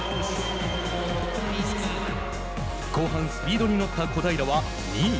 後半スピードに乗った小平は２位。